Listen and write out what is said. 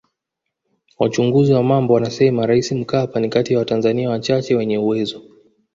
Wachunguzi wa mambo wanasema Rais Mkapa ni kati ya watanzania wachache wenye uwezo